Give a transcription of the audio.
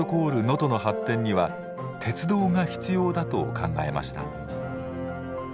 能登の発展には鉄道が必要だと考えました。